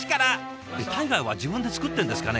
タイガーは自分で作ってるんですかね？